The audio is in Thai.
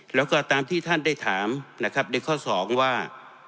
แล้วก็ตามที่ท่านได้ถามนะครับในข้อ๒ว่า